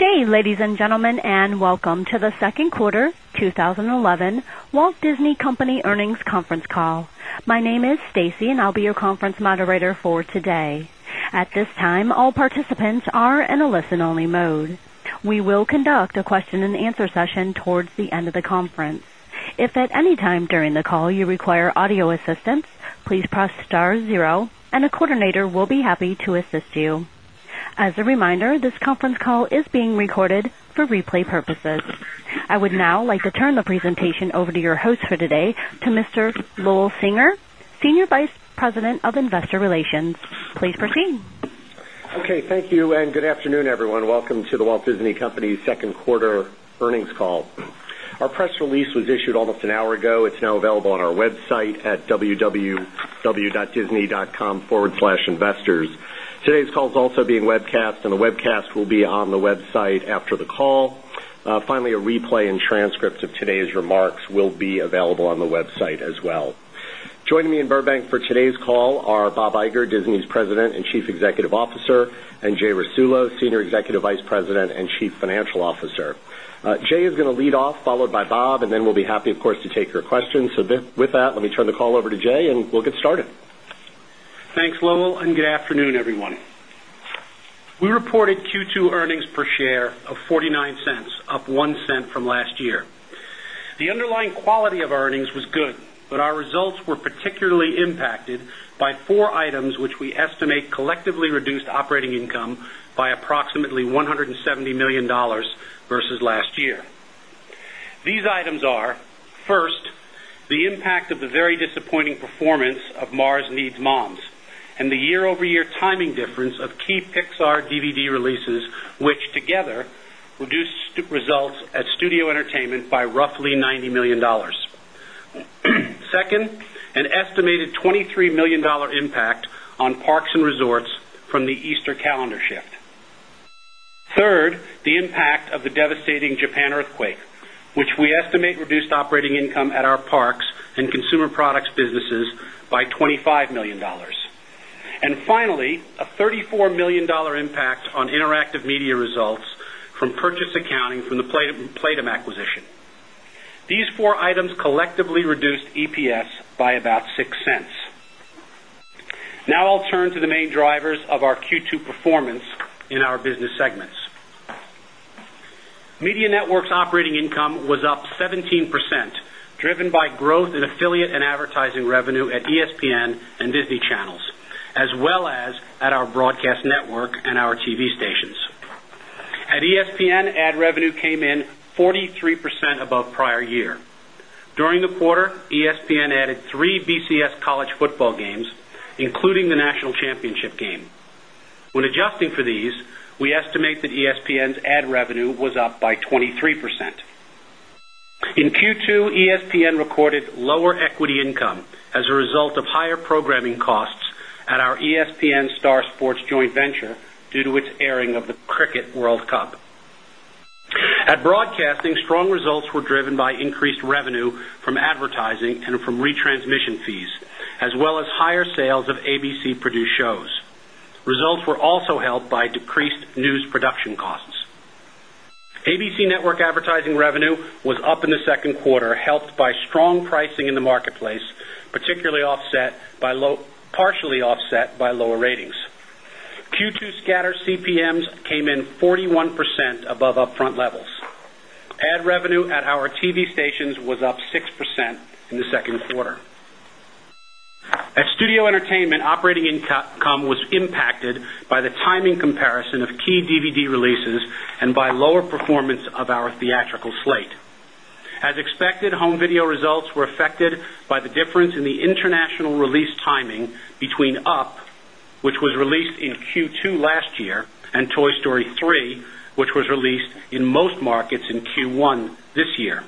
Good day, ladies and gentlemen, and welcome to the Second Quarter 2011 Walt Disney Company Earnings Conference Call. My name is Stacy, and I'll be your conference moderator for today. At this time, all participants are in a listen-only mode. We will conduct a question and answer session towards the end of the conference. If at any time during the call you require audio assistance, please press star zero, and a coordinator will be happy to assist you. As a reminder, this conference call is being recorded for replay purposes. I would now like to turn the presentation over to your host for today, Mr. Lowell Singer, Senior Vice President of Investor Relations. Please proceed. Okay, thank you, and good afternoon, everyone. Welcome to The Walt Disney Company Second Quarter Earnings Call. Our press release was issued almost an hour ago. It's now available on our website at www.disney.com/investors. Today's call is also being webcast, and the webcast will be on the website after the call. Finally, a replay and transcript of today's remarks will be available on the website as well. Joining me in Burbank for today's call are Bob Iger, Disney's President and Chief Executive Officer, and Jay Rasulo, Senior Executive Vice President and Chief Financial Officer. Jay is going to lead off, followed by Bob, and then we'll be happy, of course, to take your questions. With that, let me turn the call over to Jay, and we'll get started. Thanks, Lowell, and good afternoon, everyone. We reported Q2 earnings per share of $0.49, up $0.01 from last year. The underlying quality of earnings was good, but our results were particularly impacted by four items which we estimate collectively reduced operating income by approximately $170 million versus last year. These items are, first, the impact of the very disappointing performance of Mars Needs Moms, and the year-over-year timing difference of key Pixar DVD releases, which together reduced results at studio entertainment by roughly $90 million. Second, an estimated $23 million impact on parks and resorts from the Easter calendar shift. Third, the impact of the devastating Japan earthquake, which we estimate reduced operating income at our parks and consumer products businesses by $25 million. Finally, a $34 million impact on interactive media results from purchase accounting from the Playdom acquisition. These four items collectively reduced EPS by about $0.06. Now I'll turn to the main drivers of our Q2 performance in our business segments. Media Networks operating income was up 17%, driven by growth in affiliate and advertising revenue at ESPN and Disney Channels, as well as at our broadcast network and our TV stations. At ESPN, ad revenue came in 43% above prior year. During the quarter, ESPN added three BCS college football games, including the national championship game. When adjusting for these, we estimate that ESPN's ad revenue was up by 23%. In Q2, ESPN recorded lower equity income as a result of higher programming costs at our ESPN-Star Sports joint venture due to its airing of the Cricket World Cup. At broadcasting, strong results were driven by increased revenue from advertising and from retransmission fees, as well as higher sales of ABC-produced shows. Results were also helped by decreased news production costs. ABC Network advertising revenue was up in the second quarter, helped by strong pricing in the marketplace, partially offset by lower ratings. Q2 scatter CPMs came in 41% above upfront levels. Ad revenue at our TV stations was up 6% in the second quarter. At studio entertainment, operating income was impacted by the timing comparison of key DVD releases and by lower performance of our theatrical slate. As expected, home video results were affected by the difference in the international release timing between Up, which was released in Q2 last year, and Toy Story 3, which was released in most markets in Q1 this year.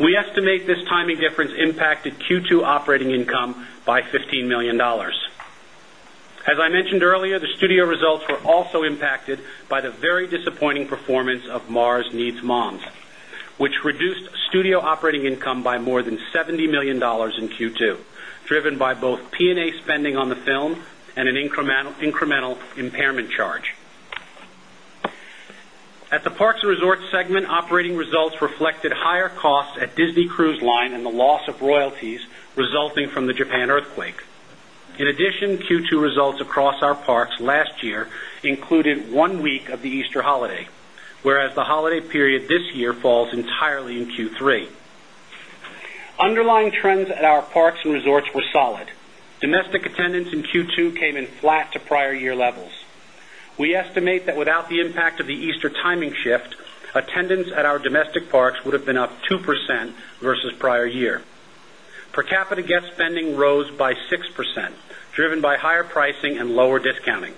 We estimate this timing difference impacted Q2 operating income by $15 million. As I mentioned earlier, the studio results were also impacted by the very disappointing performance of Mars Needs Moms, which reduced studio operating income by more than $70 million in Q2, driven by both P&A spending on the film and an incremental impairment charge. At the parks and resorts segment, operating results reflected higher costs at Disney Cruise Line and the loss of royalties resulting from the Japan earthquake. In addition, Q2 results across our parks last year included one week of the Easter holiday, whereas the holiday period this year falls entirely in Q3. Underlying trends at our Parks and Resorts were solid. Domestic attendance in Q2 came in flat to prior year levels. We estimate that without the impact of the Easter timing shift, attendance at our domestic parks would have been up 2% versus prior year. Per capita guest spending rose by 6%, driven by higher pricing and lower discounting.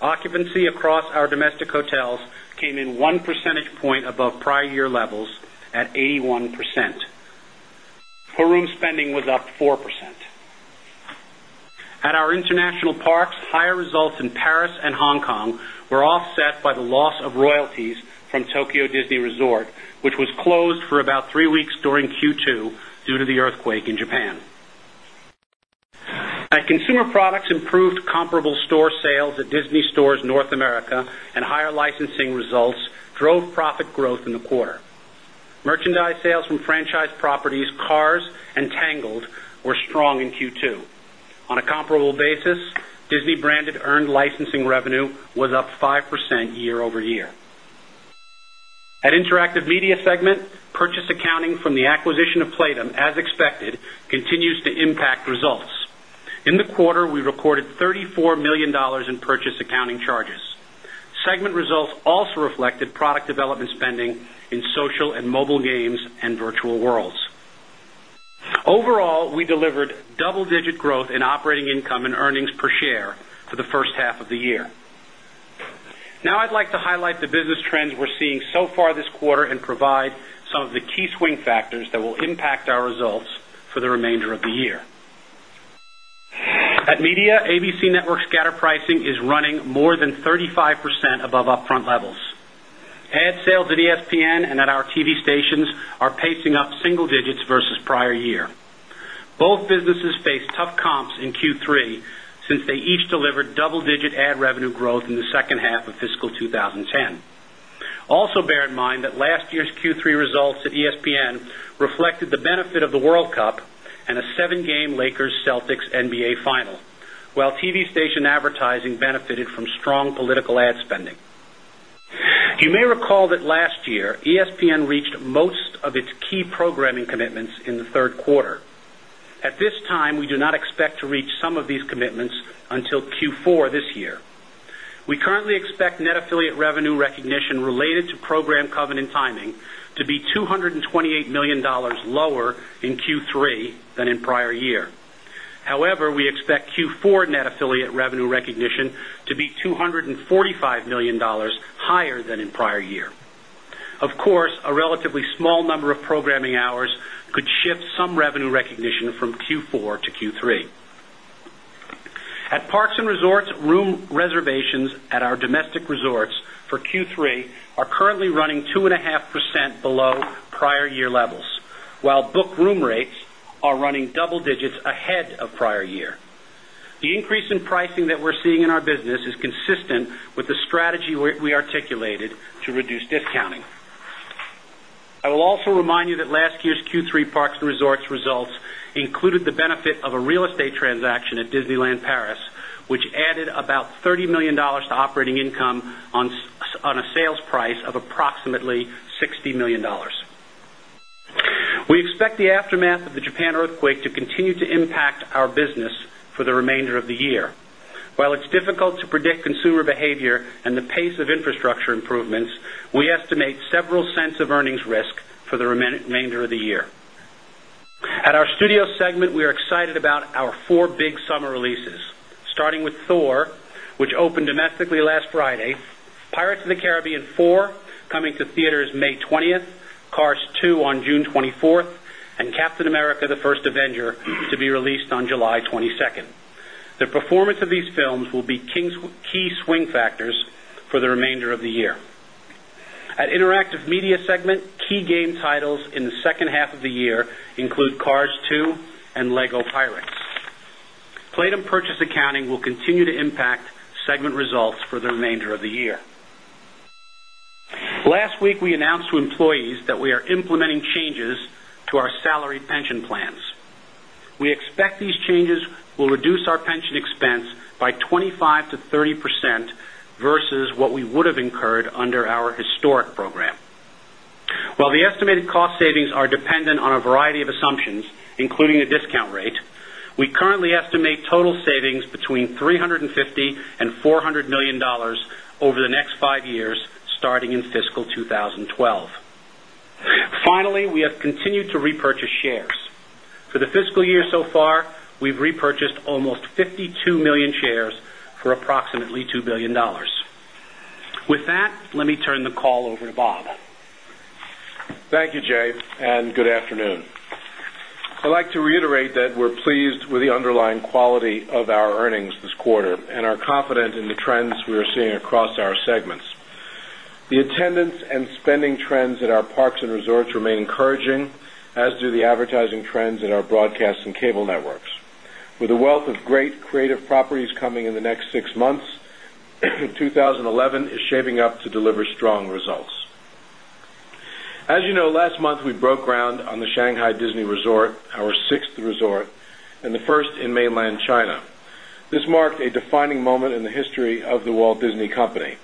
Occupancy across our domestic hotels came in one percentage point above prior year levels at 81%. For room spending, it was up 4%. At our international parks, higher results in Paris and Hong Kong were offset by the loss of royalties from Tokyo Disney Resort, which was closed for about three weeks during Q2 due to the earthquake in Japan. At consumer products, improved comparable store sales at Disney Stores North America and higher licensing results drove profit growth in the quarter. Merchandise sales from franchise properties, Cars, and Tangled were strong in Q2. On a comparable basis, Disney-branded earned licensing revenue was up 5% year-over-year. At Interactive Media segment, purchase accounting from the acquisition of Playdom, as expected, continues to impact results. In the quarter, we recorded $34 million in purchase accounting charges. Segment results also reflected product development spending in social and mobile games and virtual worlds. Overall, we delivered double-digit growth in operating income and earnings per share for the first half of the year. Now I'd like to highlight the business trends we're seeing so far this quarter and provide some of the key swing factors that will impact our results for the remainder of the year. At Media, ABC Network's scatter pricing is running more than 35% above upfront levels. [Ad] sales at ESPN and at our TV stations are pacing up single digits versus prior year. Both businesses faced tough comps in Q3 since they each delivered double-digit ad revenue growth in the second half of fiscal 2010. Also, bear in mind that last year's Q3 results at ESPN reflected the benefit of the World Cup and a seven-game Lakers-Celtics NBA Final, while TV station advertising benefited from strong political ad spending. You may recall that last year, ESPN reached most of its key programming commitments in the third quarter. At this time, we do not expect to reach some of these commitments until Q4 this year. We currently expect net affiliate revenue recognition related to program covenant timing to be $228 million lower in Q3 than in prior year. However, we expect Q4 net affiliate revenue recognition to be $245 million higher than in prior year. Of course, a relatively small number of programming hours could shift some revenue recognition from Q4 to Q3. At parks and resorts, room reservations at our domestic resorts for Q3 are currently running 2.5% below prior year levels, while booked room rates are running double digits ahead of prior year. The increase in pricing that we're seeing in our business is consistent with the strategy we articulated to reduce discounting. I will also remind you that last year's Q3 parks and resorts results included the benefit of a real estate transaction at Disneyland Paris, which added about $30 million to operating income on a sales price of approximately $60 million. We expect the aftermath of the Japan earthquake to continue to impact our business for the remainder of the year. While it's difficult to predict consumer behavior and the pace of infrastructure improvements, we estimate several cents of earnings risk for the remainder of the year. At our studios segment, we are excited about our four big summer releases, starting with Thor, which opened domestically last Friday, Pirates of the Caribbean 4 coming to theaters May 20th, Cars 2 on June 24th, and Captain America: The First Avenger to be released on July 22nd. The performance of these films will be key swing factors for the remainder of the year. At the Interactive Media segment, key game titles in the second half of the year include Cars 2 and LEGO Pirates. Playdom purchase accounting will continue to impact segment results for the remainder of the year. Last week, we announced to employees that we are implementing changes to our salary pension plans. We expect these changes will reduce our pension expense by 25%-30% versus what we would have incurred under our historic program. While the estimated cost savings are dependent on a variety of assumptions, including the discount rate, we currently estimate total savings between $350 million and $400 million over the next five years, starting in fiscal 2012. Finally, we have continued to repurchase shares. For the fiscal year so far, we've repurchased almost 52 million shares for approximately $2 billion. With that, let me turn the call over to Bob. Thank you, Jay, and good afternoon. I'd like to reiterate that we're pleased with the underlying quality of our earnings this quarter and are confident in the trends we are seeing across our segments. The attendance and spending trends at our parks and resorts remain encouraging, as do the advertising trends at our broadcast and cable networks. With a wealth of great creative properties coming in the next six months, 2011 is shaping up to deliver strong results. As you know, last month we broke ground on the Shanghai Disney Resort, our sixth resort and the first in Mainland China. This marked a defining moment in the history of The Walt Disney Company.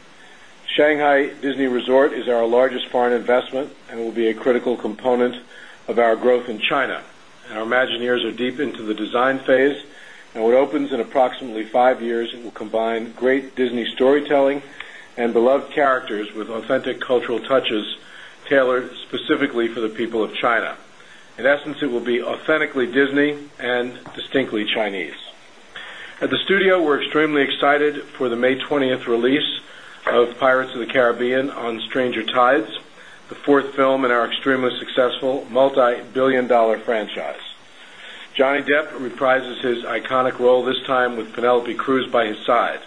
Shanghai Disney Resort is our largest foreign investment and will be a critical component of our growth in China. Our imagineers are deep into the design phase, and what opens in approximately five years will combine great Disney storytelling and beloved characters with authentic cultural touches tailored specifically for the people of China. In essence, it will be authentically Disney and distinctly Chinese. At the studio, we're extremely excited for the May 20th release of Pirates of the Caribbean: On Stranger Tides, the fourth film in our extremely successful multi-billion dollar franchise. Johnny Depp reprises his iconic role, this time with Penelope Cruz by his side.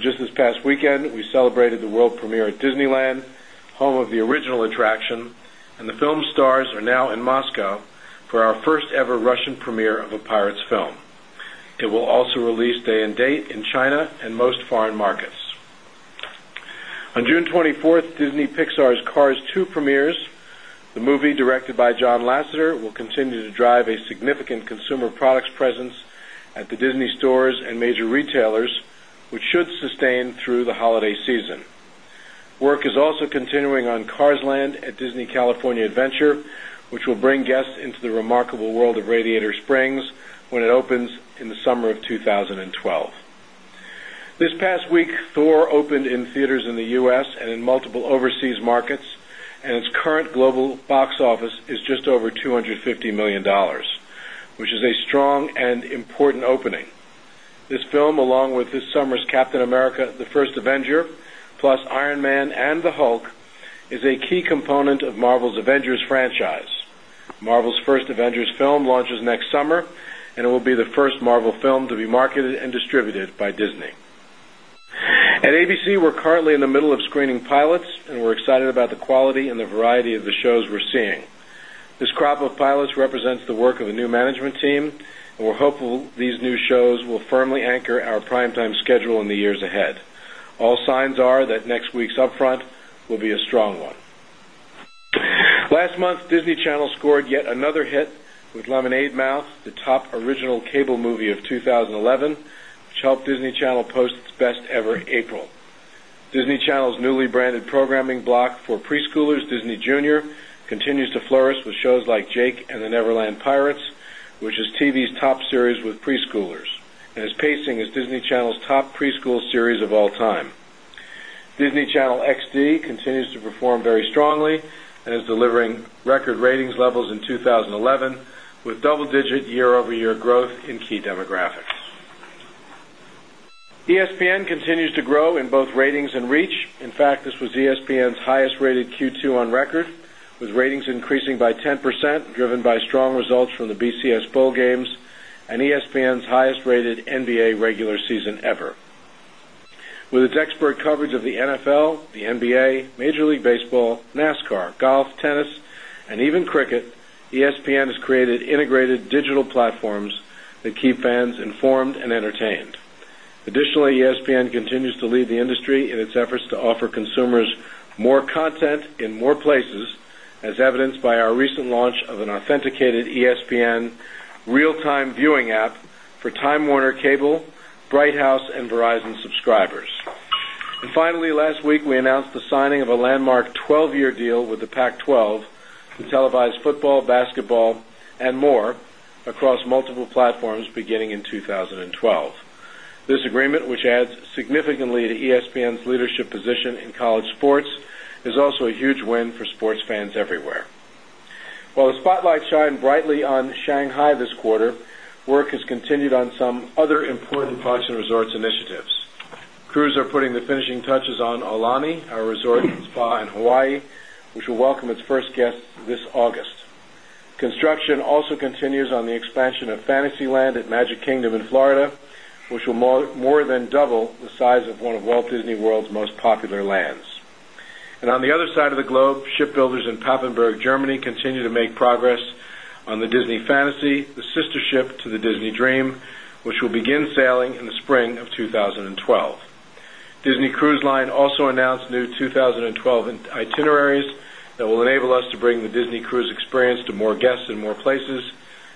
Just this past weekend, we celebrated the world premiere at Disneyland, home of the original attraction, and the film's stars are now in Moscow for our first-ever Russian premiere of a Pirates film. It will also release day and date in China and most foreign markets. On June 24th, Disney Pixar's Cars 2 premieres. The movie, directed by John Lasseter, will continue to drive a significant consumer products presence at the Disney stores and major retailers, which should sustain through the holiday season. Work is also continuing on Cars Land at Disney California Adventure, which will bring guests into the remarkable world of Radiator Springs when it opens in the summer of 2012. This past week, Thor opened in theaters in the U.S. and in multiple overseas markets, and its current global box office is just over $250 million, which is a strong and important opening. This film, along with this summer's Captain America: The First Avenger, plus Iron Man and The Hulk, is a key component of Marvel's Avengers franchise. Marvel's first Avengers film launches next summer, and it will be the first Marvel film to be marketed and distributed by Disney. At ABC, we're currently in the middle of screening pilots, and we're excited about the quality and the variety of the shows we're seeing. This crop of pilots represents the work of a new management team, and we're hopeful these new shows will firmly anchor our primetime schedule in the years ahead. All signs are that next week's upfront will be a strong one. Last month, Disney Channel scored yet another hit with Lemonade Mouth, the top original cable movie of 2011, which helped Disney Channel post its best ever April. Disney Channel's newly branded programming block for preschoolers, Disney Junior, continues to flourish with shows like Jake and the Never Land Pirates, which is TV's top series with preschoolers and is pacing as Disney Channel's top preschool series of all time. Disney Channel XD continues to perform very strongly and is delivering record ratings levels in 2011, with double-digit year-over-year growth in key demographics. ESPN continues to grow in both ratings and reach. In fact, this was ESPN's highest rated Q2 on record, with ratings increasing by 10%, driven by strong results from the BCS Bowl games and ESPN's highest rated NBA regular season ever. With its expert coverage of the NFL, the NBA, Major League Baseball, NASCAR, golf, tennis, and even cricket, ESPN has created integrated digital platforms that keep fans informed and entertained. Additionally, ESPN continues to lead the industry in its efforts to offer consumers more content in more places, as evidenced by our recent launch of an authenticated ESPN real-time viewing app for Time Warner Cable, Bright House, and Verizon subscribers. Finally, last week, we announced the signing of a landmark 12-year deal with the Pac-12 to televise football, basketball, and more across multiple platforms beginning in 2012. This agreement, which adds significantly to ESPN's leadership position in college sports, is also a huge win for sports fans everywhere. While the spotlight shined brightly on Shanghai this quarter, work has continued on some other important parks and resorts initiatives. Crews are putting the finishing touches on Aulani, our resort spa in Hawaii, which will welcome its first guests this August. Construction also continues on the expansion of Fantasyland at Magic Kingdom in Florida, which will more than double the size of one of Walt Disney World's most popular lands. On the other side of the globe, shipbuilders in Papenburg, Germany, continue to make progress on the Disney Fantasy, the sister ship to the Disney Dream, which will begin sailing in the spring of 2012. Disney Cruise Line also announced new 2012 itineraries that will enable us to bring the Disney Cruise experience to more guests and more places,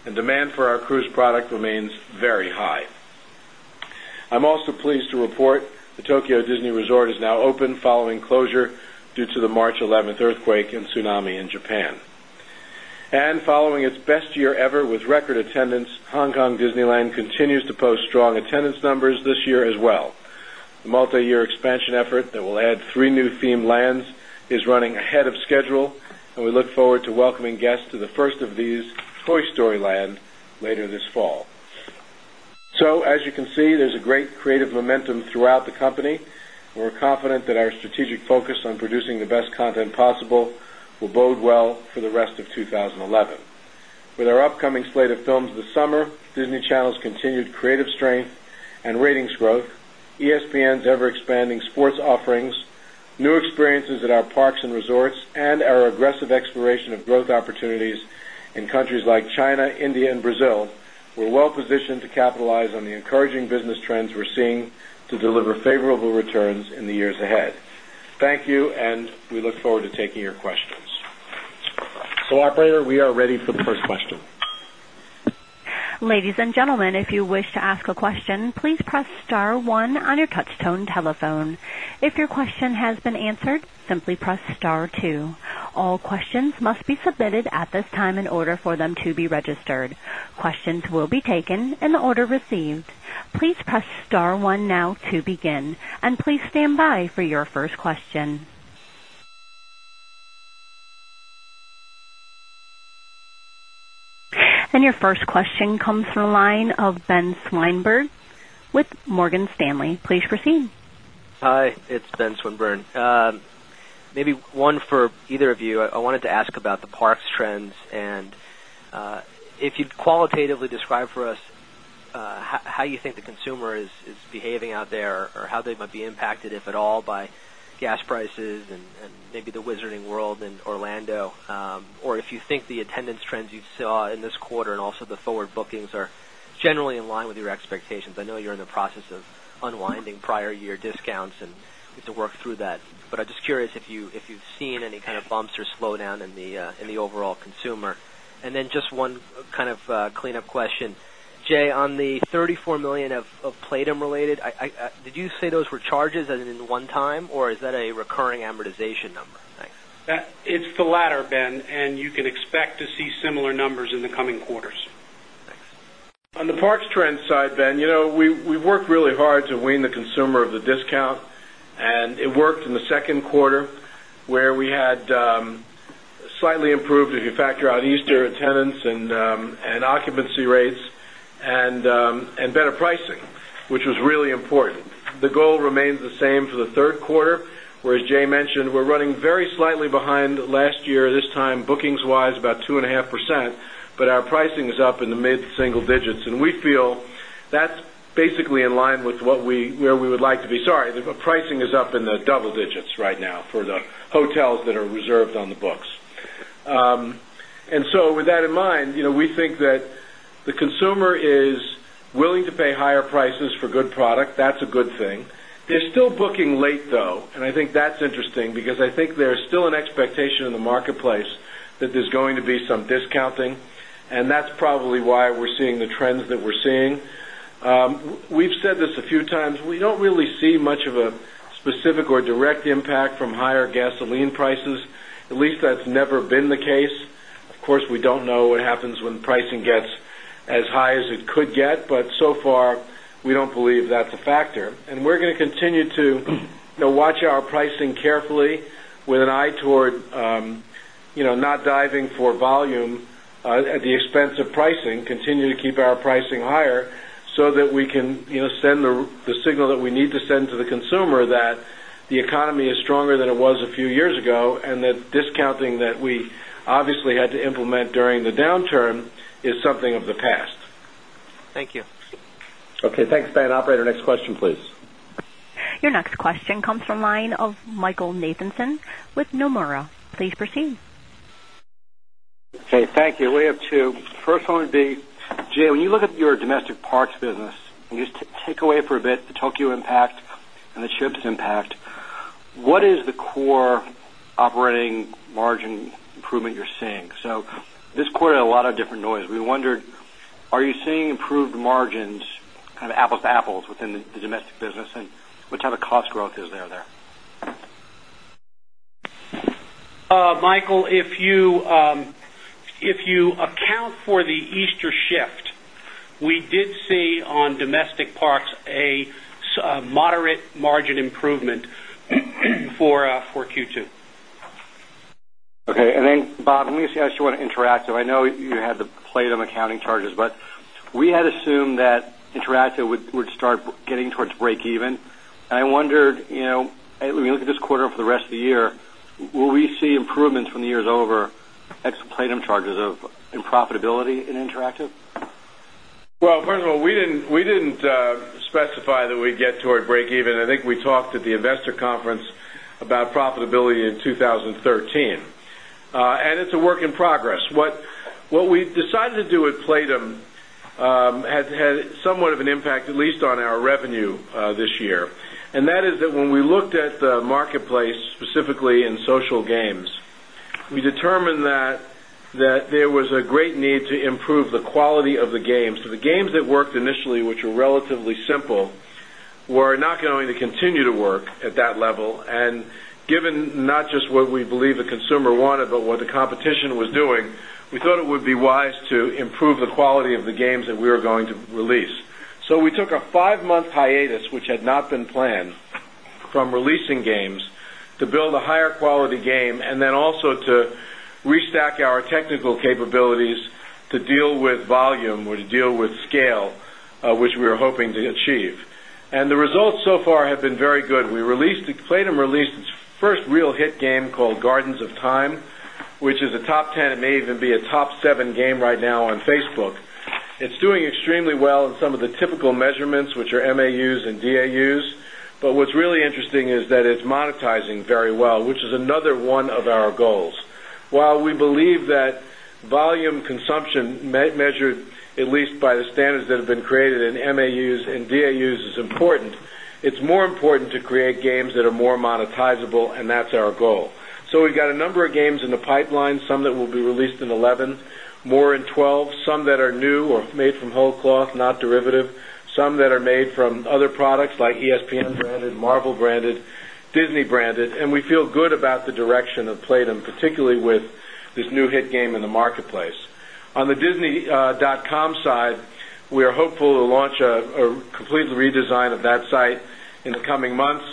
and demand for our cruise product remains very high. I'm also pleased to report that Tokyo Disney Resort is now open following closure due to the March 11 earthquake and tsunami in Japan. Following its best year ever with record attendance, Hong Kong Disneyland continues to post strong attendance numbers this year as well. The multi-year expansion effort that will add three new themed lands is running ahead of schedule, and we look forward to welcoming guests to the first of these, Toy Story Land, later this fall. As you can see, there's a great creative momentum throughout the company, and we're confident that our strategic focus on producing the best content possible will bode well for the rest of 2011. With our upcoming slate of films this summer, Disney Channel's continued creative strength and ratings growth, ESPN's ever-expanding sports offerings, new experiences at our parks and resorts, and our aggressive exploration of growth opportunities in countries like China, India, and Brazil, we're well-positioned to capitalize on the encouraging business trends we're seeing to deliver favorable returns in the years ahead. Thank you, and we look forward to taking your questions. Operator, we are ready for the first question. Ladies and gentlemen, if you wish to ask a question, please press star one on your touch-tone telephone. If your question has been answered, simply press star two. All questions must be submitted at this time in order for them to be registered. Questions will be taken in order received. Please press star one now to begin. Please stand by for your first question. Your first question comes from the line of Ben Swinburne with Morgan Stanley. Please proceed. Hi, it's Ben Swinburne. Maybe one for either of you. I wanted to ask about the parks trends, and if you'd qualitatively describe for us how you think the consumer is behaving out there or how they might be impacted, if at all, by gas prices and maybe the Wizarding World in Orlando. If you think the attendance trends you saw in this quarter and also the forward bookings are generally in line with your expectations. I know you're in the process of unwinding prior year discounts, and we have to work through that. I'm just curious if you've seen any kind of bumps or slowdown in the overall consumer. Then just one kind of clean-up question. Jay, on the $34 million of Playdom related, did you say those were charges in one time, or is that a recurring amortization number? Thanks. It's the latter, Ben, and you can expect to see similar numbers in the coming quarters. Thanks. On the parks trend side, Ben, you know we've worked really hard to wean the consumer off the discount, and it worked in the second quarter where we had slightly improved, if you factor out Easter, attendance and occupancy rates and better pricing, which was really important. The goal remains the same for the third quarter, whereas Jay mentioned we're running very slightly behind last year. This time, bookings-wise, about 2.5%, but our pricing is up in the mid-single digits, and we feel that's basically in line with where we would like to be. Sorry, the pricing is up in the double digits right now for the hotels that are reserved on the books. With that in mind, you know we think that the consumer is willing to pay higher prices for good product. That's a good thing. They're still booking late, though, and I think that's interesting because I think there's still an expectation in the marketplace that there's going to be some discounting, and that's probably why we're seeing the trends that we're seeing. We've said this a few times. We don't really see much of a specific or direct impact from higher gasoline prices. At least that's never been the case. Of course, we don't know what happens when pricing gets as high as it could get, but so far we don't believe that's a factor. We're going to continue to watch our pricing carefully with an eye toward not diving for volume at the expense of pricing. Continue to keep our pricing higher so that we can send the signal that we need to send to the consumer that the economy is stronger than it was a few years ago and that discounting that we obviously had to implement during the downturn is something of the past. Thank you. Okay, thanks, Ben. Operator, next question, please. Your next question comes from the line of Michael Nathanson with Nomura. Please proceed. Okay, thank you. We have two. First one would be, Jay, when you look at your domestic parks business, and you just take away for a bit the Tokyo impact and the ships impact, what is the core operating margin improvement you're seeing? This quarter had a lot of different noise. We wondered, are you seeing improved margins, kind of apples to apples within the domestic business, and what type of cost growth is there? Michael, if you account for the Easter shift, we did see on domestic parks a moderate margin improvement for Q2. Okay, and then Bob, let me see how you want to interact. I know you had the Playdom accounting charges, but we had assumed that interactive would start getting towards break even. I wondered, you know, when we look at this quarter and for the rest of the year, will we see improvements when the year's over, extra Playdom charges and profitability in interactive? First of all, we didn't specify that we'd get toward break even. I think we talked at the investor conference about profitability in 2013, and it's a work in progress. What we decided to do with Playdom had somewhat of an impact, at least on our revenue this year, and that is that when we looked at the marketplace, specifically in social games, we determined that there was a great need to improve the quality of the games. The games that worked initially, which were relatively simple, were not going to continue to work at that level. Given not just what we believe the consumer wanted, but what the competition was doing, we thought it would be wise to improve the quality of the games that we were going to release. We took a five-month hiatus, which had not been planned, from releasing games to build a higher quality game and also to restack our technical capabilities to deal with volume or to deal with scale, which we were hoping to achieve. The results so far have been very good. Playdom released its first real hit game called Gardens of Time, which is a top 10. It may even be a top 7 game right now on Facebook. It's doing extremely well in some of the typical measurements, which are MAUs and DAUs, but what's really interesting is that it's monetizing very well, which is another one of our goals. While we believe that volume consumption measured at least by the standards that have been created in MAUs and DAUs is important, it's more important to create games that are more monetizable, and that's our goal. We've got a number of games in the pipeline, some that will be released in 2011, more in 2012, some that are new or made from whole cloth, not derivative, some that are made from other products like ESPN branded, Marvel branded, Disney branded, and we feel good about the direction of Playdom, particularly with this new hit game in the marketplace. On the disney.com side, we are hopeful to launch a complete redesign of that site in the coming months.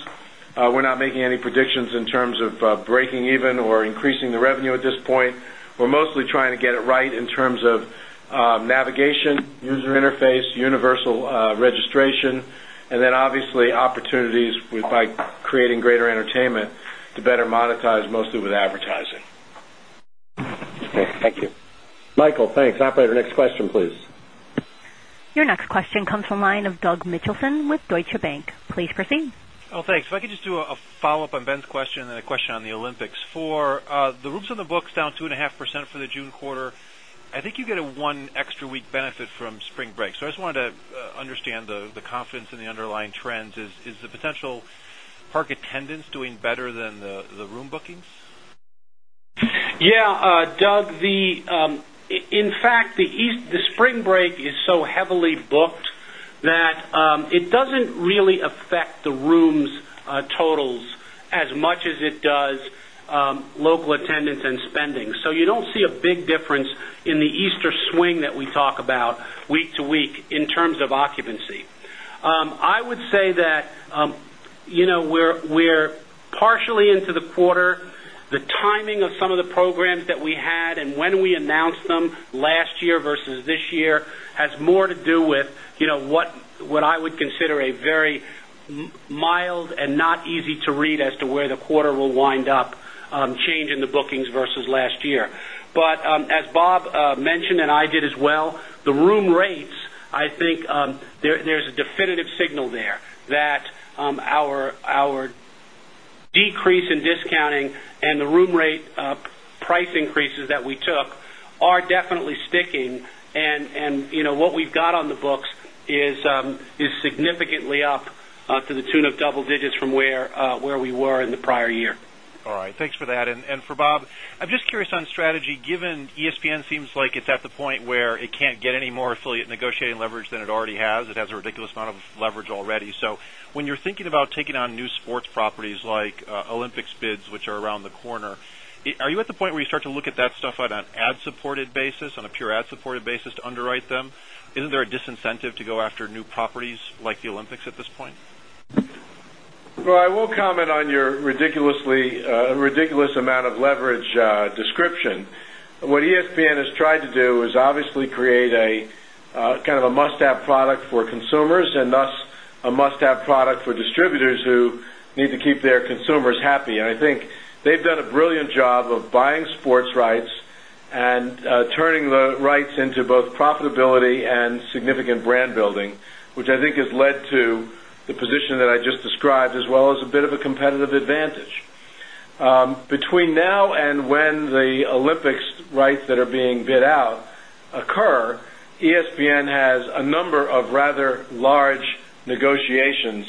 We're not making any predictions in terms of breaking even or increasing the revenue at this point. We're mostly trying to get it right in terms of navigation, user interface, universal registration, and obviously opportunities by creating greater entertainment to better monetize most of it with advertising. Okay, thank you. Michael, thanks. Operator, next question, please. Your next question comes from the line of Doug Mitchelson with Deutsche Bank. Please proceed. Thanks. If I could just do a follow-up on Ben's question and then a question on the Olympics. For the rooms in the books down 2.5% for the June quarter, I think you get a one extra week benefit from spring break. I just wanted to understand the confidence in the underlying trends. Is the potential park attendance doing better than the room bookings? Yeah, Doug, in fact, the spring break is so heavily booked that it doesn't really affect the rooms' totals as much as it does local attendance and spending. You don't see a big difference in the Easter swing that we talk about week to week in terms of occupancy. I would say that we're partially into the quarter. The timing of some of the programs that we had and when we announced them last year versus this year has more to do with what I would consider a very mild and not easy to read as to where the quarter will wind up, change in the bookings versus last year. As Bob mentioned and I did as well, the room rates, I think there's a definitive signal there that our decrease in discounting and the room rate price increases that we took are definitely sticking, and what we've got on the books is significantly up to the tune of double digits from where we were in the prior year. All right, thanks for that. For Bob, I'm just curious on strategy, given ESPN seems like it's at the point where it can't get any more affiliate negotiating leverage than it already has. It has a ridiculous amount of leverage already. When you're thinking about taking on new sports properties like Olympics bids, which are around the corner, are you at the point where you start to look at that stuff on an ad-supported basis, on a pure ad-supported basis to underwrite them? Isn't there a disincentive to go after new properties like the Olympics at this point? I will comment on your ridiculous amount of leverage description. What ESPN has tried to do is obviously create a kind of a must-have product for consumers and thus a must-have product for distributors who need to keep their consumers happy. I think they've done a brilliant job of buying sports rights and turning the rights into both profitability and significant brand building, which I think has led to the position that I just described, as well as a bit of a competitive advantage. Between now and when the Olympics rights that are being bid out occur, ESPN has a number of rather large negotiations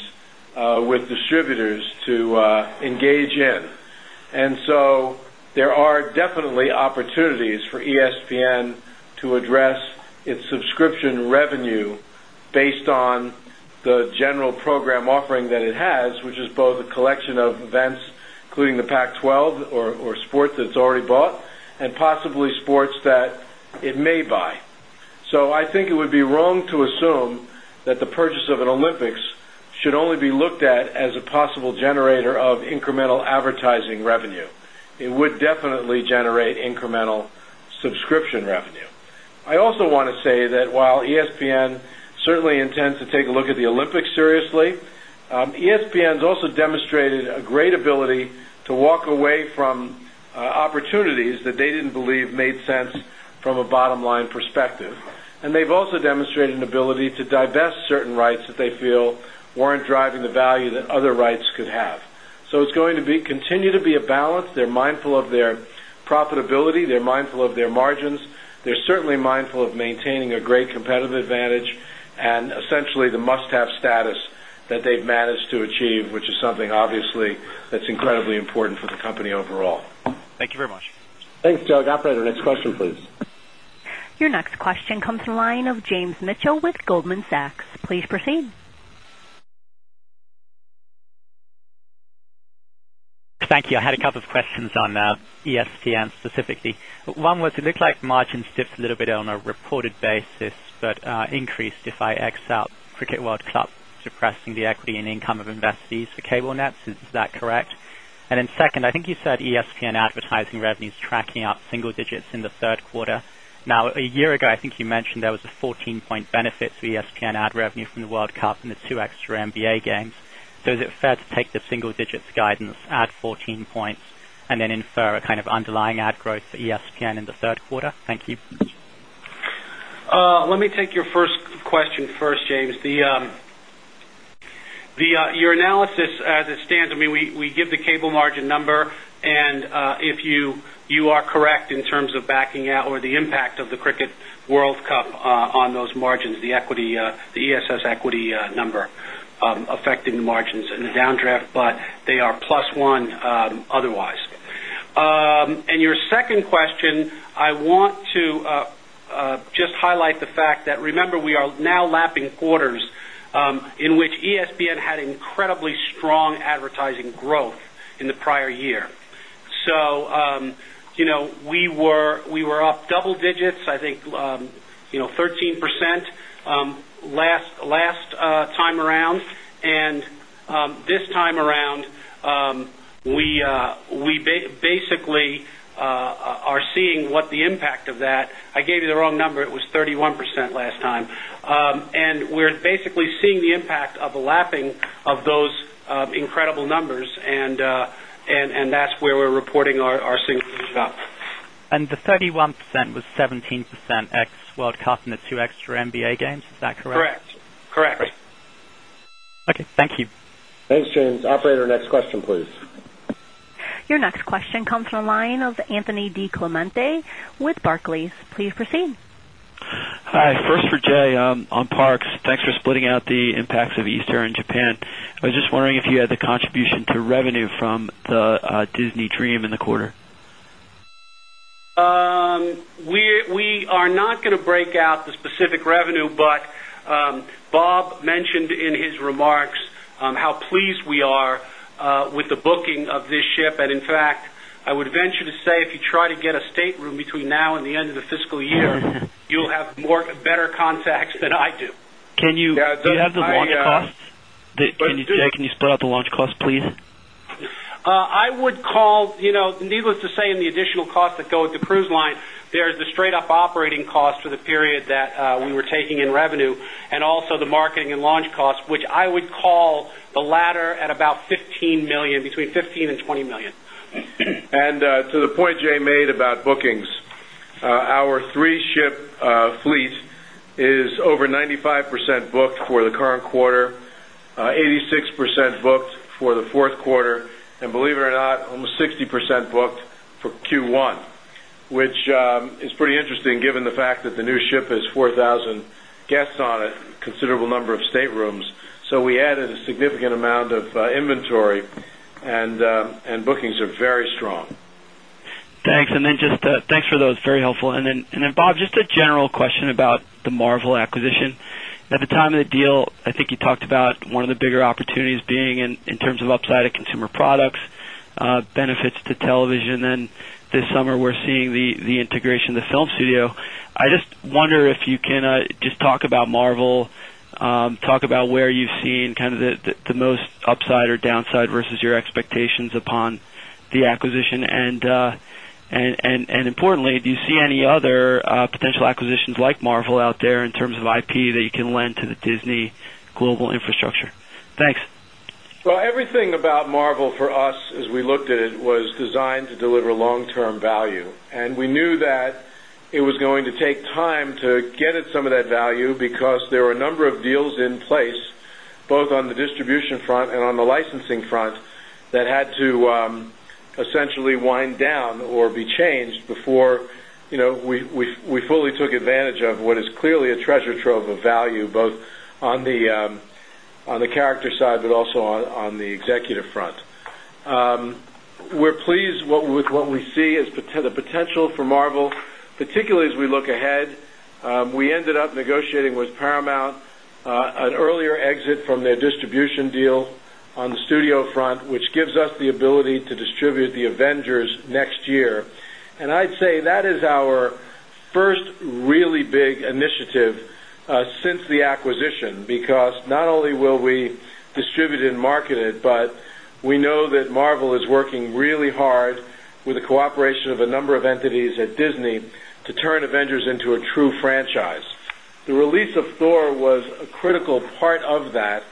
with distributors to engage in. There are definitely opportunities for ESPN to address its subscription revenue based on the general program offering that it has, which is both a collection of events, including the Pac-12 or sports that it's already bought and possibly sports that it may buy. I think it would be wrong to assume that the purchase of an Olympics should only be looked at as a possible generator of incremental advertising revenue. It would definitely generate incremental subscription revenue. I also want to say that while ESPN certainly intends to take a look at the Olympics seriously, ESPN's also demonstrated a great ability to walk away from opportunities that they didn't believe made sense from a bottom-line perspective. They've also demonstrated an ability to divest certain rights that they feel weren't driving the value that other rights could have. It's going to continue to be a balance. They're mindful of their profitability. They're mindful of their margins. They're certainly mindful of maintaining a great competitive advantage and essentially the must-have status that they've managed to achieve, which is something obviously that's incredibly important for the company overall. Thank you very much. Thanks, Doug. Operator, next question, please. Your next question comes from the line of James Mitchell with Goldman Sachs. Please proceed. Thank you. I had a couple of questions on ESPN specifically. One was, it looked like margins dipped a little bit on a reported basis, but increased if I X out Cricket World Cup, suppressing the equity and income of investees for cable nets. Is that correct? I think you said ESPN advertising revenue is tracking up single digits in the third quarter. Now, a year ago, I think you mentioned there was a 14% benefit for ESPN ad revenue from the World Cup and the two extra NBA games. Is it fair to take the single digits guidance, add 14 points, and then infer a kind of underlying ad growth for ESPN in the third quarter? Thank you. Let me take your first question first, James. Your analysis as it stands, I mean, we give the cable margin number, and if you are correct in terms of backing out or the impact of the Cricket World Cup on those margins, the ESS equity number affecting the margins in the down draft, but they are +1 otherwise. Your second question, I want to just highlight the fact that remember, we are now lapping quarters in which ESPN had incredibly strong advertising growth in the prior year. We were up double digits, I think 13% last time around, and this time around, we basically are seeing what the impact of that. I gave you the wrong number. It was 31% last time. We are basically seeing the impact of a lapping of those incredible numbers, and that's where we're reporting our sync age up. The 31% was 17% ex-World Cup and the two extra NBA games. Is that correct? Correct. Okay, thank you. Thanks, James. Operator, next question, please. Your next question comes from the line of Anthony DiClemente with Barclays. Please proceed. Hi. First for Jay on parks. Thanks for splitting out the impacts of Easter in Japan. I was just wondering if you had the contribution to revenue from the Disney Dream in the quarter. We are not going to break out the specific revenue, but Bob mentioned in his remarks how pleased we are with the booking of this ship. In fact, I would venture to say if you try to get a stateroom between now and the end of the fiscal year, you'll have better contacts than I do. Can you add the launch cost? Can you spread out the launch cost, please? Needless to say, in the additional costs that go with the Disney Cruise Line, there's the straight-up operating cost for the period that we were taking in revenue, and also the marketing and launch costs, which I would call the latter at about $15 million, between $15 million and $20 million. To the point Jay made about bookings, our three-ship fleet is over 95% booked for the current quarter, 86% booked for the fourth quarter, and believe it or not, almost 60% booked for Q1, which is pretty interesting given the fact that the new ship has 4,000 guests on it, a considerable number of staterooms. We added a significant amount of inventory, and bookings are very strong. Thanks. Thanks for those. Very helpful. Bob, just a general question about the Marvel acquisition. At the time of the deal, I think you talked about one of the bigger opportunities being in terms of upside of consumer products, benefits to television. This summer, we're seeing the integration of the film studio. I just wonder if you can talk about Marvel, talk about where you've seen the most upside or downside versus your expectations upon the acquisition. Importantly, do you see any other potential acquisitions like Marvel out there in terms of IP that you can lend to the Disney global infrastructure? Thanks. Everything about Marvel for us, as we looked at it, was designed to deliver long-term value. We knew that it was going to take time to get at some of that value because there were a number of deals in place, both on the distribution front and on the licensing front, that had to essentially wind down or be changed before we fully took advantage of what is clearly a treasure trove of value, both on the character side, but also on the executive front. We're pleased with what we see as the potential for Marvel, particularly as we look ahead. We ended up negotiating with Paramount an earlier exit from their distribution deal on the studio front, which gives us the ability to distribute the Avengers next year. I'd say that is our first really big initiative since the acquisition because not only will we distribute and market it, but we know that Marvel is working really hard with the cooperation of a number of entities at Disney to turn Avengers into a true franchise. The release of Thor was a critical part of that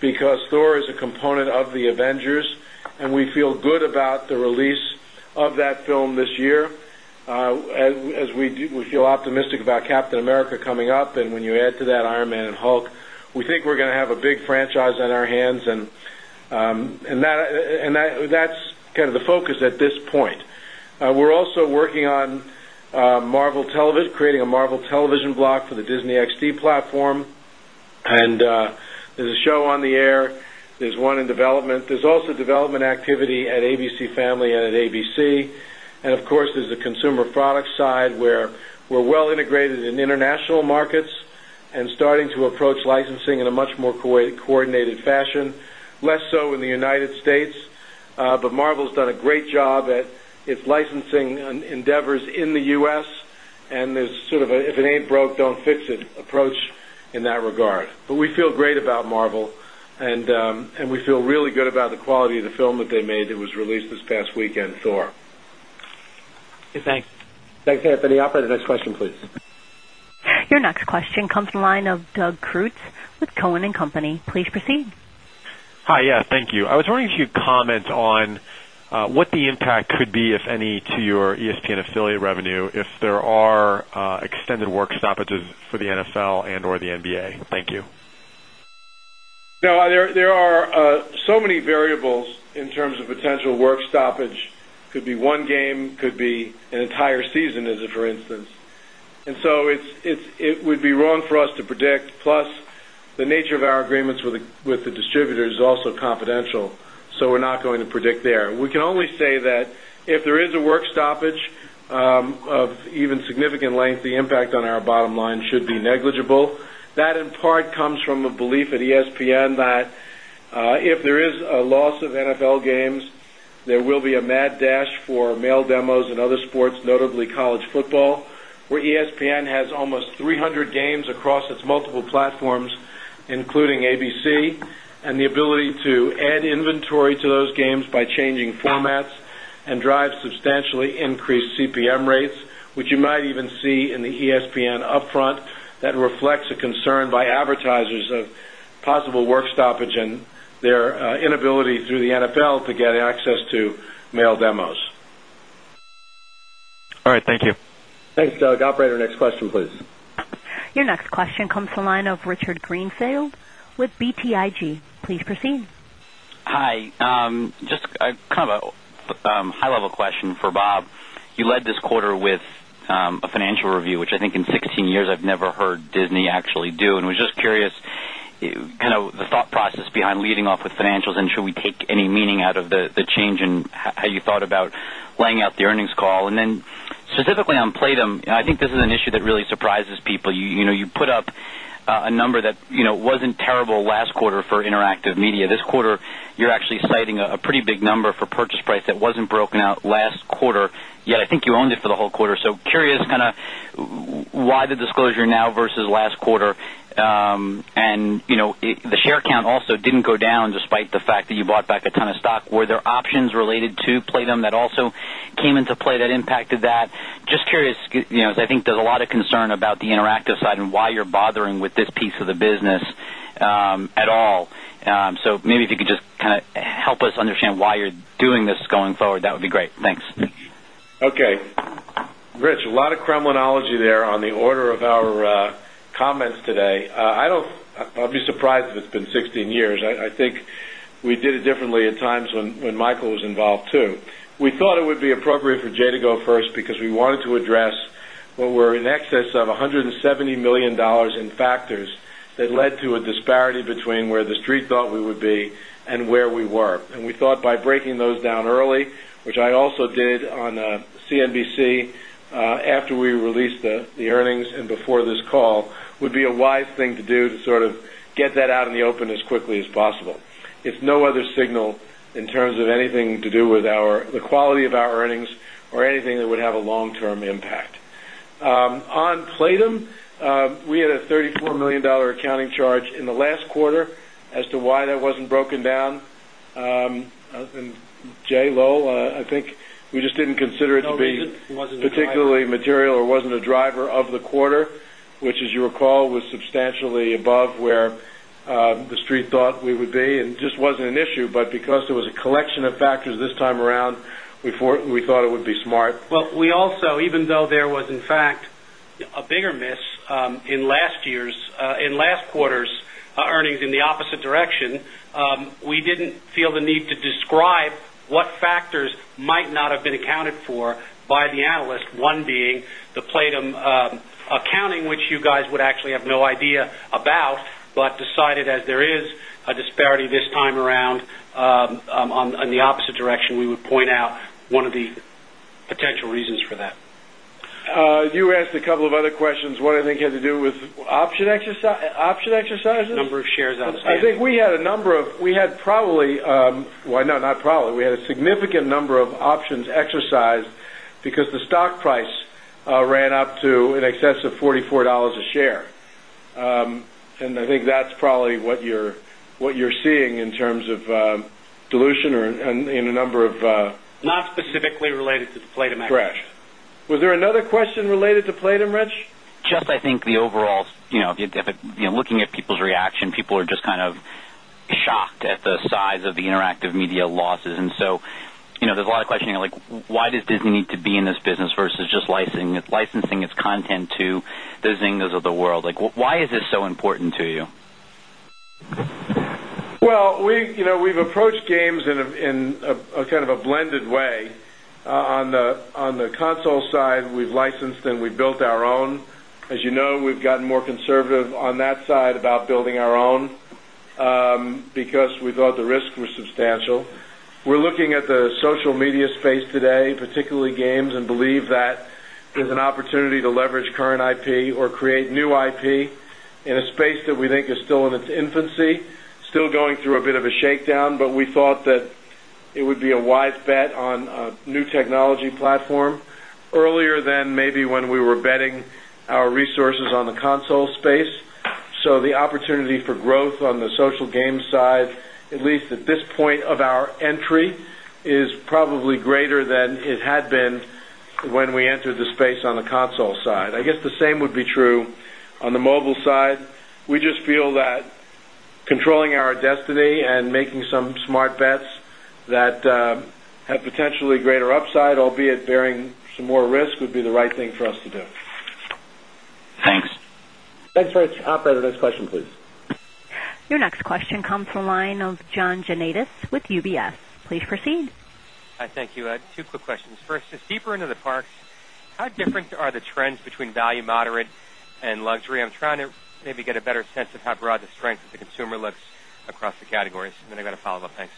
because Thor is a component of the Avengers, and we feel good about the release of that film this year. We feel optimistic about Captain America coming up, and when you add to that Iron Man and Hulk, we think we're going to have a big franchise on our hands, and that's kind of the focus at this point. We're also working on Marvel Television, creating a Marvel Television block for the Disney XD platform, and there's a show on the air. There's one in development. There's also development activity at ABC Family and at ABC. Of course, there's the consumer products side where we're well integrated in international markets and starting to approach licensing in a much more coordinated fashion, less so in the United States. Marvel's done a great job at its licensing endeavors in the US, and there's sort of an if it ain't broke, don't fix it approach in that regard. We feel great about Marvel, and we feel really good about the quality of the film that they made that was released this past weekend, Thor. Thanks. Thanks, Anthony. Operator, next question, please. Your next question comes from the line of Doug Creutz with Cowen and Company. Please proceed. Hi, thank you. I was wondering if you could comment on what the impact could be, if any, to your ESPN affiliate revenue if there are extended work stoppages for the NFL and/or the NBA. Thank you. No, there are so many variables in terms of potential work stoppage. It could be one game. It could be an entire season, as for instance. It would be wrong for us to predict. Plus, the nature of our agreements with the distributors is also confidential, so we're not going to predict there. We can only say that if there is a work stoppage of even significant length, the impact on our bottom line should be negligible. That in part comes from a belief at ESPN that if there is a loss of NFL games, there will be a mad dash for male demos and other sports, notably college football, where ESPN has almost 300 games across its multiple platforms, including ABC, and the ability to add inventory to those games by changing formats and drive substantially increased CPM rates, which you might even see in the ESPN upfront that reflects a concern by advertisers of possible work stoppage and their inability through the NFL to get access to male demos. All right, thank you. Thanks, Doug. Operator, next question, please. Your next question comes from the line of Richard Greenfield with BTIG. Please proceed. Hi, just kind of a high-level question for Bob. You led this quarter with a financial review, which I think in 16 years I've never heard Disney actually do. I was just curious, kind of the thought process behind leading off with financials, and should we take any meaning out of the change in how you thought about laying out the earnings call? Specifically on Playdom, I think this is an issue that really surprises people. You put up a number that wasn't terrible last quarter for interactive media. This quarter, you're actually citing a pretty big number for purchase price that wasn't broken out last quarter, yet I think you owned it for the whole quarter. I'm curious, kind of why the disclosure now versus last quarter? The share count also didn't go down despite the fact that you bought back a ton of stock. Were there options related to Playdom that also came into play that impacted that? I'm just curious, because I think there's a lot of concern about the interactive side and why you're bothering with this piece of the business at all. Maybe if you could just kind of help us understand why you're doing this going forward, that would be great. Thanks. Okay. Rich, a lot of criminology there on the order of our comments today. I'd be surprised if it's been 16 years. I think we did it differently at times when Michael was involved too. We thought it would be appropriate for Jay to go first because we wanted to address what were in excess of $170 million in factors that led to a disparity between where the street thought we would be and where we were. We thought by breaking those down early, which I also did on CNBC after we released the earnings and before this call, would be a wise thing to do to sort of get that out in the open as quickly as possible. It's no other signal in terms of anything to do with the quality of our earnings or anything that would have a long-term impact. On Playdom, we had a $34 million accounting charge in the last quarter as to why that wasn't broken down. Jay, Lowell, I think we just didn't consider it to be particularly material or wasn't a driver of the quarter, which as you recall was substantially above where the street thought we would be and just wasn't an issue. Because there was a collection of factors this time around, we thought it would be smart. We also, even though there was in fact a bigger miss in last quarter's earnings in the opposite direction, we didn't feel the need to describe what factors might not have been accounted for by the analysts, one being the Playdom accounting, which you guys would actually have no idea about, but decided as there is a disparity this time around in the opposite direction, we would point out one of the potential reasons for that. You asked a couple of other questions. One I think had to do with option exercises? [Number of shares on]. I think we had a significant number of options exercised because the stock price ran up to in excess of $44 a share. I think that's probably what you're seeing in terms of dilution or in a number of. Not specifically related to the Playdom effect. Correct. Was there another question related to Playdom, Rich? I think the overall, you know, looking at people's reaction, people are just kind of shocked at the size of the interactive media losses. There's a lot of questioning, like, why does Disney need to be in this business versus just licensing its content to the [Zyngas] of the world? Why is this so important to you? We have approached games in a kind of a blended way. On the console side, we have licensed and we have built our own. As you know, we have gotten more conservative on that side about building our own because we thought the risk was substantial. We are looking at the social media space today, particularly games, and believe that there is an opportunity to leverage current IP or create new IP in a space that we think is still in its infancy, still going through a bit of a shakedown. We thought that it would be a wise bet on a new technology platform earlier than maybe when we were betting our resources on the console space. The opportunity for growth on the social games side, at least at this point of our entry, is probably greater than it had been when we entered the space on the console side. I guess the same would be true on the mobile side. We just feel that controlling our destiny and making some smart bets that have potentially greater upside, albeit bearing some more risk, would be the right thing for us to do. Thanks. Thanks, Rich. Operator, next question, please. Your next question comes from the line of John Janedis with UBS. Please proceed. Hi, thank you. I had two quick questions. First, just deeper into the parks, how different are the trends between value, moderate, and luxury? I'm trying to maybe get a better sense of how broad the strength of the consumer looks across the categories. I have a follow-up. Thanks.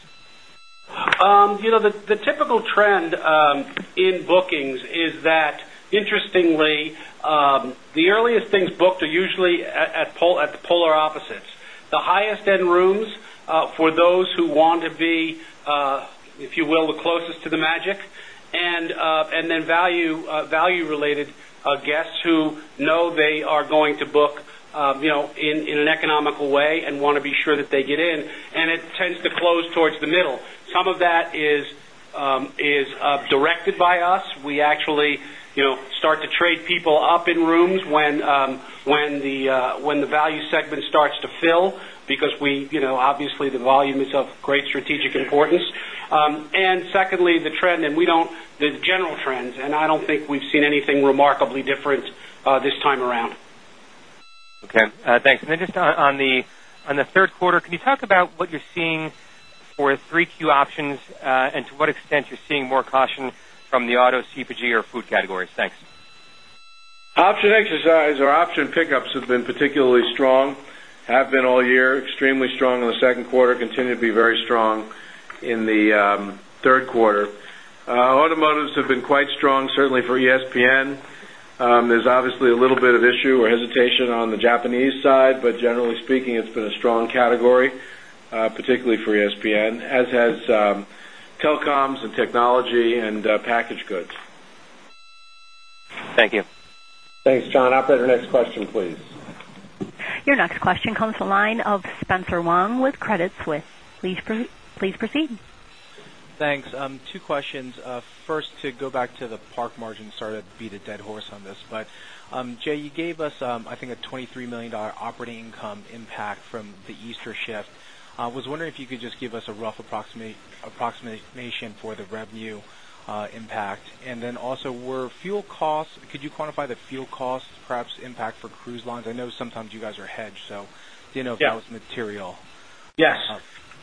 You know, the typical trend in bookings is that, interestingly, the earliest things booked are usually at the polar opposites. The highest-end rooms for those who want to be, if you will, the closest to the magic, and then value-related guests who know they are going to book in an economical way and want to be sure that they get in. It tends to close towards the middle. Some of that is directed by us. We actually start to trade people up in rooms when the value segment starts to fill because, obviously, the volume is of great strategic importance. Secondly, the trend, and we don't—the general trends, I don't think we've seen anything remarkably different this time around. Okay, thanks. On the third quarter, can you talk about what you're seeing for Q3 options and to what extent you're seeing more caution from the auto, CPG, or food categories? Thanks. Option exercise or option pickups have been particularly strong, have been all year, extremely strong in the second quarter, continue to be very strong in the third quarter. Automotives have been quite strong, certainly for ESPN. There's obviously a little bit of issue or hesitation on the Japanese side, but generally speaking, it's been a strong category, particularly for ESPN, as has telecoms and technology and packaged goods. Thank you. Thanks, John. Operator, next question, please. Your next question comes from the line of Spencer Wong with Credit Suisse. Please proceed. Thanks. Two questions. First, to go back to the park margins, sorry to beat a dead horse on this, but Jay, you gave us, I think, a $23 million operating income impact from the Easter shift. I was wondering if you could just give us a rough approximation for the revenue impact. Also, were fuel costs—could you quantify the fuel costs, perhaps impact for cruise lines? I know sometimes you guys are hedged, so I didn't know if that was material. Yes.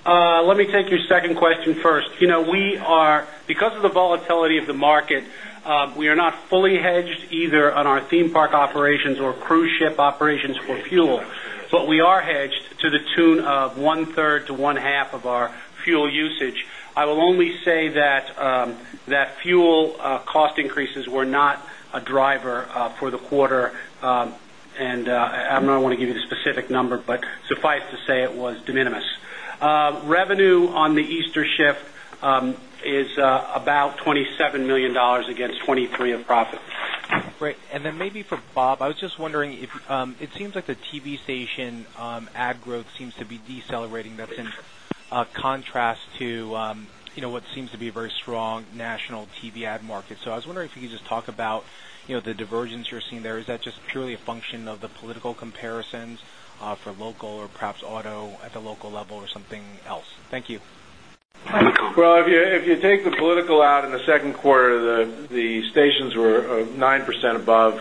Let me take your second question first. We are, because of the volatility of the market, not fully hedged either on our theme park operations or cruise ship operations for fuel. We are hedged to the tune of one-third to one-half of our fuel usage. I will only say that fuel cost increases were not a driver for the quarter. I don't want to give you the specific number, but suffice to say it was de minimis. Revenue on the Easter shift is about $27 million against $23 million of profit. Great. Maybe for Bob, I was just wondering if it seems like the TV station ad growth seems to be decelerating. That's in contrast to what seemed to be a very strong national TV ad market. I was wondering if you could just talk about the divergence you're seeing there. Is that just purely a function of the political comparisons for local or perhaps auto at the local level or something else? Thank you. If you take the political out in the second quarter, the stations were 9% above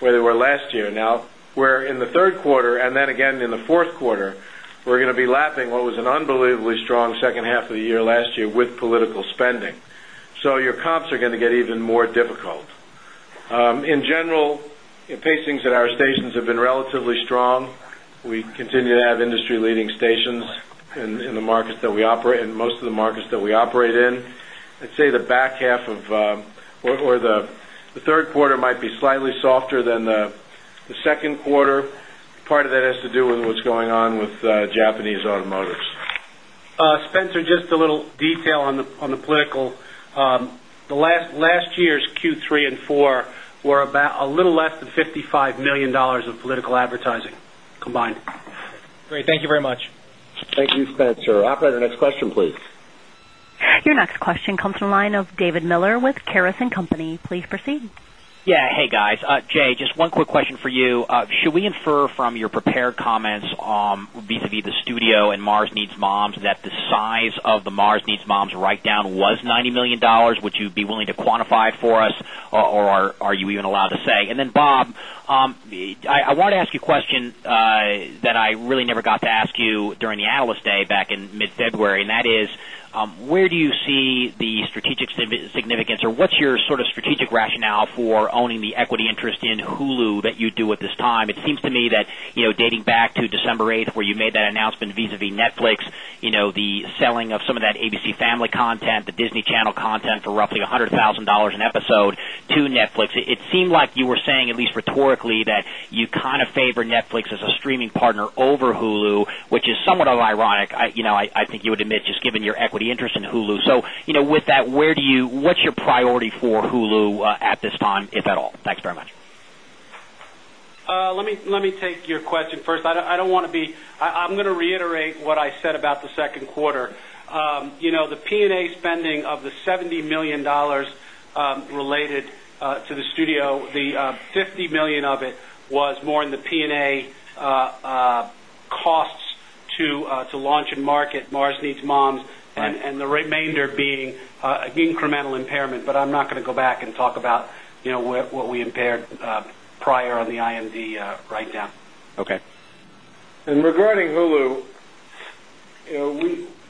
where they were last year. Now we're in the third quarter, and again in the fourth quarter, we're going to be lapping what was an unbelievably strong second half of the year last year with political spending. Your comps are going to get even more difficult. In general, the pacings at our stations have been relatively strong. We continue to have industry-leading stations in the markets that we operate in, most of the markets that we operate in. I'd say the back half of or the third quarter might be slightly softer than the second quarter. Part of that has to do with what's going on with Japanese automotives. Spencer, just a little detail on the political. Last year's Q3 and Q4 were about a little less than $55 million of political advertising combined. Great, thank you very much. Thank you, Spencer. Operator, next question, please. Your next question comes from the line of David Miller with Caris & Company. Please proceed. Yeah, hey guys. Jay, just one quick question for you. Should we infer from your prepared comments [on B2B, the studio] and Mars Needs Moms that the size of the Mars Needs Moms write-down was $90 million? Would you be willing to quantify it for us, or are you even allowed to say? Bob, I wanted to ask you a question that I really never got to ask you during the analyst day back in mid-February, and that is, where do you see the strategic significance or what's your sort of strategic rationale for owning the equity interest in Hulu that you do at this time? It seems to me that, you know, dating back to December 8, where you made that announcement vis-à-vis Netflix, you know, the selling of some of that ABC Family content, the Disney Channel content for roughly $100,000 an episode to Netflix, it seemed like you were saying, at least rhetorically, that you kind of favor Netflix as a streaming partner over Hulu, which is somewhat ironic. I think you would admit just given your equity interest in Hulu. With that, where do you, what's your priority for Hulu at this time, if at all? Thanks very much. Let me take your question first. I don't want to be, I'm going to reiterate what I said about the second quarter. The P&A spending of the $70 million related to the studio, the $50 million of it was more in the P&A costs to launch and market Mars Needs Moms, and the remainder being an incremental impairment. I'm not going to go back and talk about what we impaired prior on the IMDb write-down. Okay. Regarding Hulu,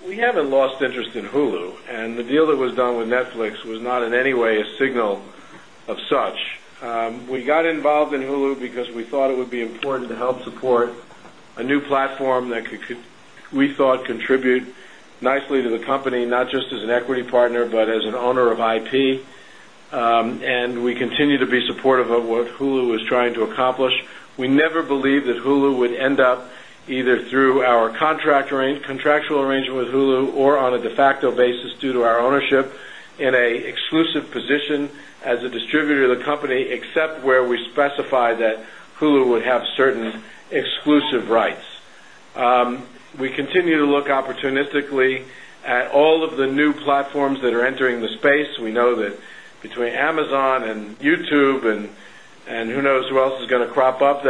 we haven't lost interest in Hulu, and the deal that was done with Netflix was not in any way a signal of such. We got involved in Hulu because we thought it would be important to help support a new platform that we thought contributed nicely to the company, not just as an equity partner, but as an owner of IP. We continue to be supportive of what Hulu was trying to accomplish. We never believed that Hulu would end up either through our contractual arrangement with Hulu or on a de facto basis due to our ownership in an exclusive position as a distributor of the company, except where we specified that Hulu would have certain exclusive rights. We continue to look opportunistically at all of the new platforms that are entering the space. We know that between Amazon and YouTube and who knows who else is going to crop up,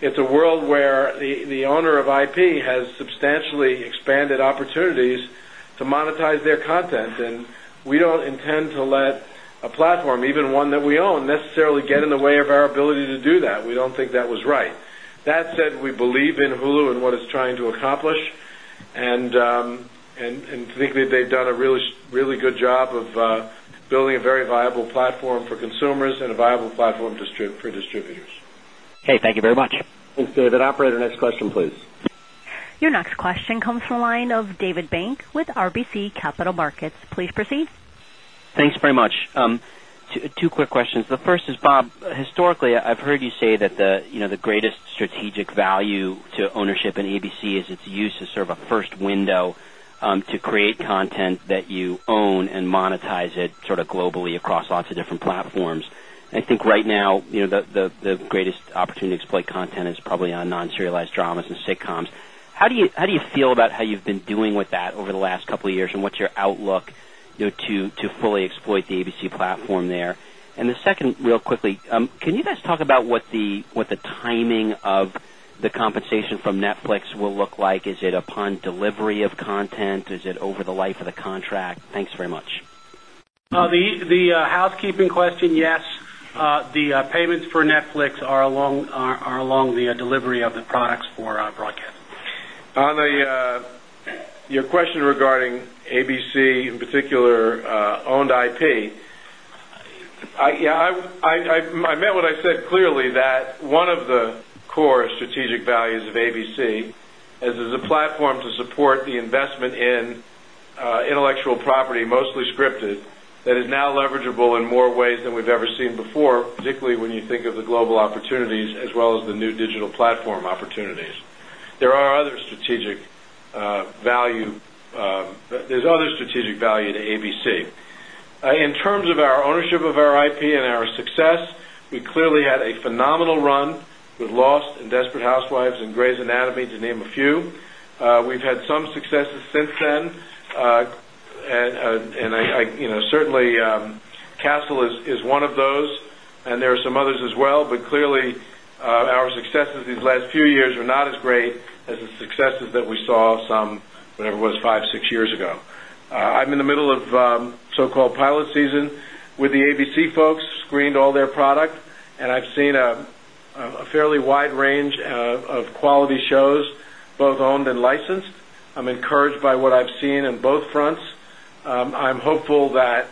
it's a world where the owner of IP has substantially expanded opportunities to monetize their content. We don't intend to let a platform, even one that we own, necessarily get in the way of our ability to do that. We don't think that was right. That said, we believe in Hulu and what it's trying to accomplish and think that they've done a really, really good job of building a very viable platform for consumers and a viable platform for distributors. Thank you very much. Thanks, David. Operator, next question, please. Your next question comes from the line of David Bank with RBC Capital Markets. Please proceed. Thanks very much. Two quick questions. The first is, Bob, historically, I've heard you say that the greatest strategic value to ownership in ABC is its use as sort of a first window to create content that you own and monetize it globally across lots of different platforms. I think right now the greatest opportunity to exploit content is probably on non-serialized dramas and sitcoms. How do you feel about how you've been doing with that over the last couple of years, and what's your outlook to fully exploit the ABC platform there? The second, real quickly, can you guys talk about what the timing of the compensation from Netflix will look like? Is it upon delivery of content? Is it over the life of the contract? Thanks very much. The housekeeping question, yes. The payments for Netflix are along the delivery of the products for broadcast. On your question regarding ABC, in particular, owned IP, yeah, I meant what I said clearly, that one of the core strategic values of ABC is as a platform to support the investment in intellectual property, mostly scripted, that is now leverageable in more ways than we've ever seen before, particularly when you think of the global opportunities as well as the new digital platform opportunities. There is other strategic value to ABC. In terms of our ownership of our IP and our success, we clearly had a phenomenal run with Lost and Desperate Housewives and Grey's Anatomy, to name a few. We've had some successes since then, and certainly, Castle is one of those, and there are some others as well. Our successes these last few years were not as great as the successes that we saw some, whatever it was, five, six years ago. I'm in the middle of so-called pilot season with the ABC folks, screened all their product, and I've seen a fairly wide range of quality shows, both owned and licensed. I'm encouraged by what I've seen on both fronts. I'm hopeful that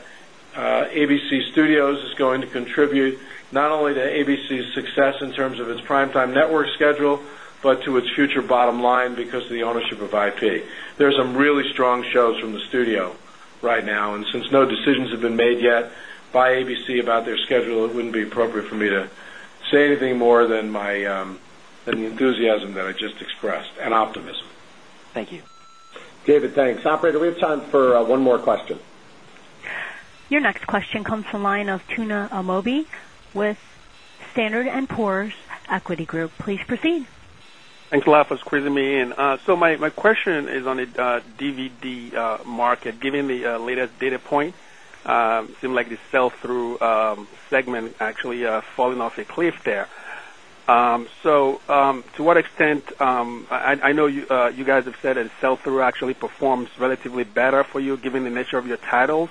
ABC Studios is going to contribute not only to ABC's success in terms of its primetime network schedule, but to its future bottom line because of the ownership of IP. There are some really strong shows from the studio right now, and since no decisions have been made yet by ABC about their schedule, it wouldn't be appropriate for me to say anything more than my enthusiasm that I just expressed and optimism. Thank you. David, thanks. Operator, we have time for one more question. Your next question comes from the line of Tuna Amobi with Standard & Poor's Equity Group. Please proceed. Thanks a lot for quizzing me in. My question is on the DVD market. Given the latest data point, it seemed like the sell-through segment actually falling off a cliff there. To what extent, I know you guys have said that sell-through actually performs relatively better for you given the nature of your titles.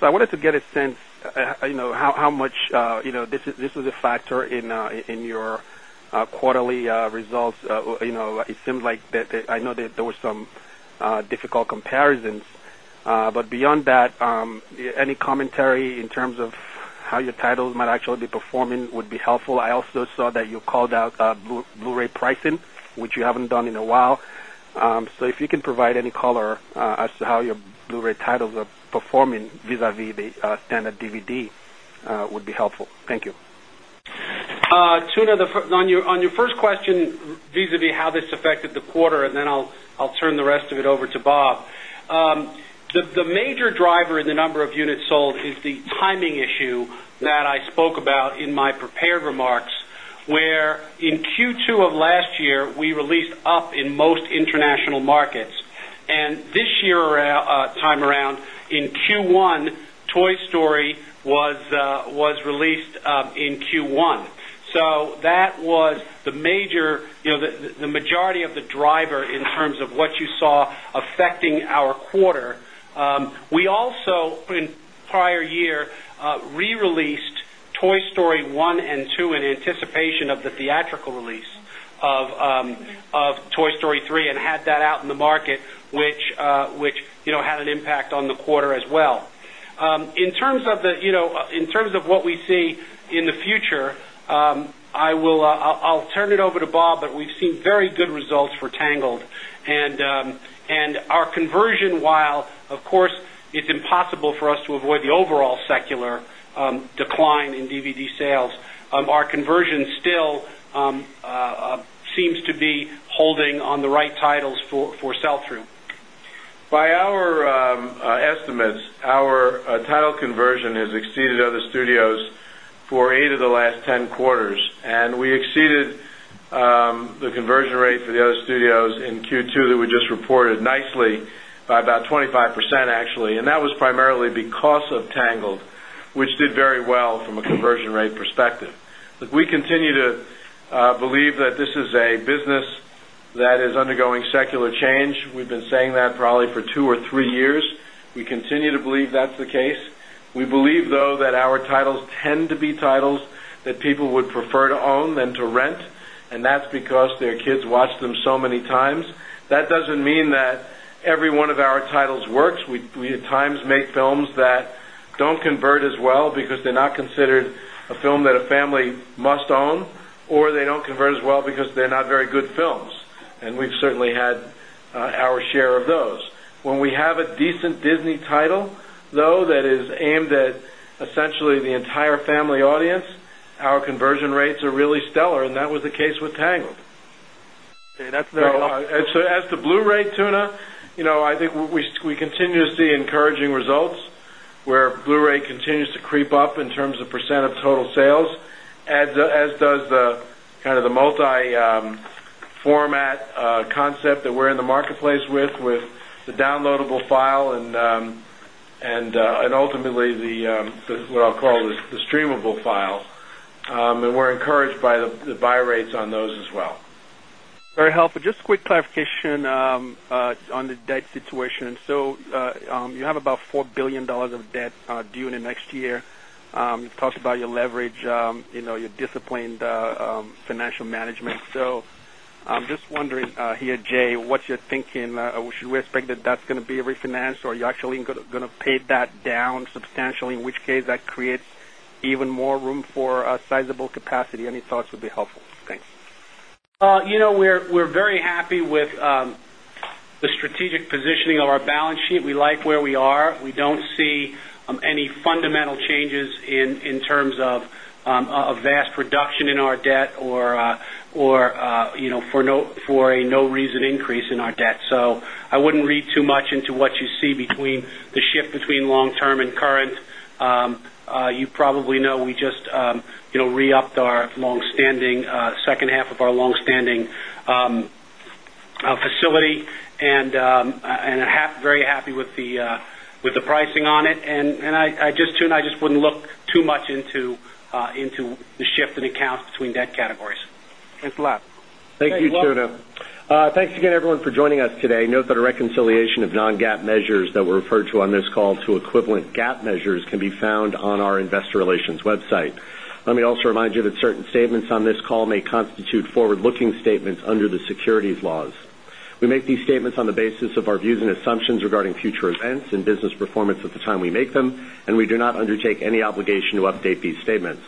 I wanted to get a sense, you know, how much you know this was a factor in your quarterly results. It seemed like that I know that there were some difficult comparisons. Beyond that, any commentary in terms of how your titles might actually be performing would be helpful. I also saw that you called out Blu-ray pricing, which you haven't done in a while. If you can provide any color as to how your Blu-ray titles are performing vis-à-vis the standard DVD would be helpful. Thank you. Tuna, on your first question vis-à-vis how this affected the quarter, and then I'll turn the rest of it over to Bob. The major driver in the number of units sold is the timing issue that I spoke about in my prepared remarks, where in Q2 of last year, we released Up in most international markets. This year, in Q1, Toy Story was released in Q1. That was the majority of the driver in terms of what you saw affecting our quarter. In the prior year, we also re-released Toy Story 1 and 2 in anticipation of the theatrical release of Toy Story 3 and had that out in the market, which had an impact on the quarter as well. In terms of what we see in the future, I'll turn it over to Bob, but we've seen very good results for Tangled. Our conversion, while of course it's impossible for us to avoid the overall secular decline in DVD sales, our conversion still seems to be holding on the right titles for sell-through. By our estimates, our title conversion has exceeded other studios for eight of the last 10 quarters. We exceeded the conversion rate for the other studios in Q2 that we just reported nicely by about 25%, actually. That was primarily because of Tangled, which did very well from a conversion rate perspective. We continue to believe that this is a business that is undergoing secular change. We've been saying that probably for two or three years. We continue to believe that's the case. We believe, though, that our titles tend to be titles that people would prefer to own than to rent, and that's because their kids watch them so many times. That doesn't mean that every one of our titles works. We at times make films that don't convert as well because they're not considered a film that a family must own, or they don't convert as well because they're not very good films. We've certainly had our share of those. When we have a decent Disney title, though, that is aimed at essentially the entire family audience, our conversion rates are really stellar, and that was the case with Tangled. As the Blu-ray, Tuna, you know, I think we continue to see encouraging results where Blu-ray continues to creep up in terms of percent of total sales, as does the kind of the multi-format concept that we're in the marketplace with, with the downloadable file and ultimately what I'll call the streamable file. We're encouraged by the buy rates on those as well. Very helpful. Just a quick clarification on the debt situation. You have about $4 billion of debt due in the next year. You talked about your leverage, your disciplined financial management. I'm just wondering here, Jay, what's your thinking? Should we expect that that's going to be refinanced, or are you actually going to pay that down substantially, in which case that creates even more room for sizable capacity? Any thoughts would be helpful. Thanks. We're very happy with the strategic positioning of our balance sheet. We like where we are. We don't see any fundamental changes in terms of a vast reduction in our debt or, you know, for a no-reason increase in our debt. I wouldn't read too much into what you see between the shift between long-term and current. You probably know we just re-upped our long-standing second half of our long-standing facility, and I'm very happy with the pricing on it. I just wouldn't look too much into the shift in accounts between debt categories. Thanks a lot. Thank you, Tuna. Thanks again, everyone, for joining us today. Note that a reconciliation of non-GAAP measures that were referred to on this call to equivalent GAAP measures can be found on our Investor Relations website. Let me also remind you that certain statements on this call may constitute forward-looking statements under the securities laws. We make these statements on the basis of our views and assumptions regarding future events and business performance at the time we make them, and we do not undertake any obligation to update these statements.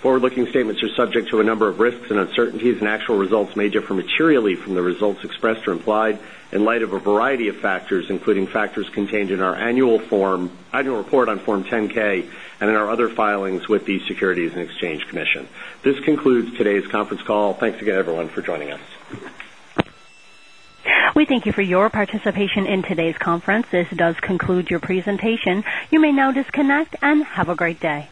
Forward-looking statements are subject to a number of risks and uncertainties, and actual results may differ materially from the results expressed or implied in light of a variety of factors, including factors contained in our annual report on Form 10-K and in our other filings with the Securities and Exchange Commission. This concludes today's conference call. Thanks again, everyone, for joining us. We thank you for your participation in today's conference. This does conclude your presentation. You may now disconnect and have a great day.